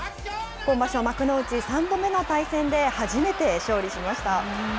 今場所、幕内３度目の対戦で初めて勝利しました。